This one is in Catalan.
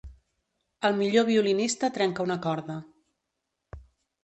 El millor violinista trenca una corda.